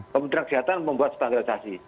kementerian kesehatan membuat standarisasi